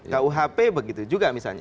kuhp begitu juga misalnya